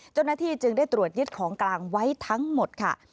เจ้าหน้าที่จึงได้ตรวจยึดของกลางไว้ทั้งหมดค่ะ